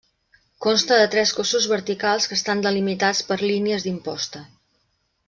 Consta de tres cossos verticals que estan delimitats per línies d'imposta.